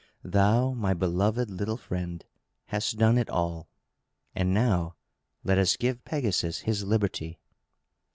Thou, my beloved little friend, hast done it all. And now let us give Pegasus his liberty."